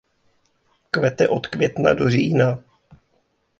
Kvete od května do října.